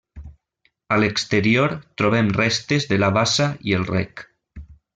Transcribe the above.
A l'exterior trobem restes de la bassa i el rec.